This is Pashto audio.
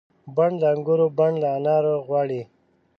بڼ د انګور بڼ د انار غواړي